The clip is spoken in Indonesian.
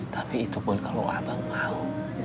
tapi itu pun kalau abang mau